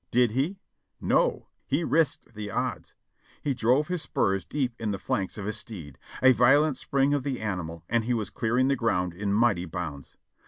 Did he? No! he risked the odds. He drove his spurs deep in the flanks of his steed. A violent spring of the animal and he was clearing the ground in mighty bounds.